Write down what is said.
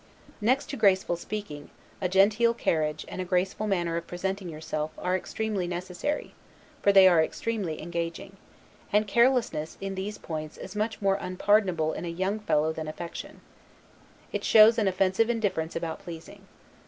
Next to graceful speaking, a genteel carriage, and a graceful manner of presenting yourself, are extremely necessary, for they are extremely engaging: and carelessness in these points is much more unpardonable in a young fellow than affectation. It shows an offensive indifference about pleasing.